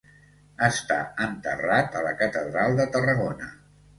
Està enterrat a la catedral de Tarragona.